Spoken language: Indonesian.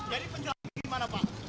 jadi penjelasan ini gimana pak